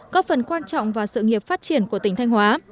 góp phần quan trọng và sự nghiệp phát triển của tỉnh thanh hóa